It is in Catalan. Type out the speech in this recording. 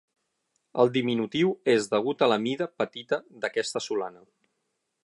El diminutiu és degut a la mida, petita, d'aquesta solana.